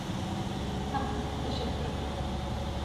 Tamam, teşekkür ederim.